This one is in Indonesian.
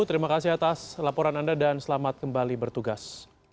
terima kasih atas laporan anda dan selamat kembali bertugas